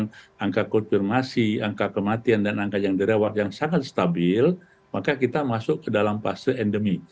dengan angka konfirmasi angka kematian dan angka yang dirawat yang sangat stabil maka kita masuk ke dalam fase endemi